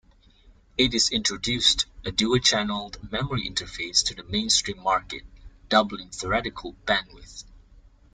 It introduced a dual-channel memory interface to the mainstream market, doubling theoretical bandwidth.